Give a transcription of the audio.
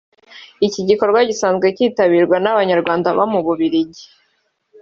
ni igikorwa gisanzwe kitabirwa n’Abanyarwanda baba mu Bubiligi